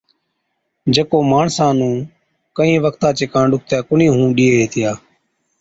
جڪو ماڻسان نُون ڪهِين وقتا چي ڪاڻ ڏُکتي ڪونهِي هُئُون ڏِيئي هِتِيا۔